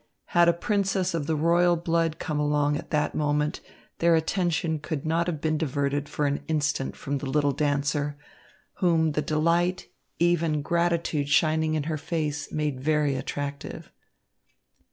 Had a princess of the royal blood come along at that moment, their attention could not have been diverted for an instant from the little dancer, whom the delight, even gratitude shining in her face made very attractive.